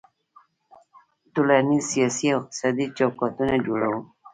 موږ ټولنیز، سیاسي او اقتصادي چوکاټونه جوړوو.